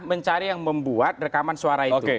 mencari yang membuat rekaman suara itu